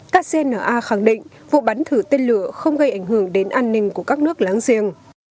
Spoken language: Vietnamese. kcna khẳng định vụ bắn thử tên lửa không gây ảnh hưởng đến an ninh của các nước láng giềng